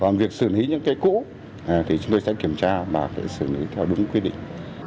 còn việc xử lý những cái cũ thì chúng tôi sẽ kiểm tra và phải xử lý theo đúng quy định